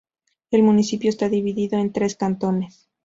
El municipio está dividido en tres cantones.